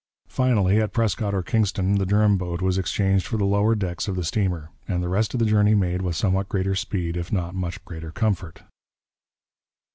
Finally, at Prescott or Kingston the Durham boat was exchanged for the lower decks of the steamer, and the rest of the journey made with somewhat greater speed, if not much greater comfort.